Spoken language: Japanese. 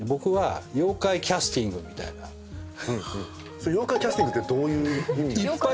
それ妖怪キャスティングってどういう意味なんですか？